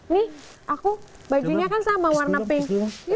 nih aku bajunya kan sama warna pink